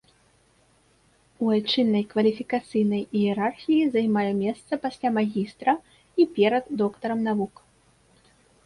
У айчыннай кваліфікацыйнай іерархіі займае месца пасля магістра і перад доктарам навук.